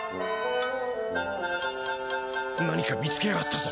何か見つけやがったぞ。